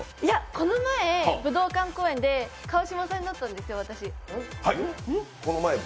この前、武道館公演で川島さんになったんですよ、私。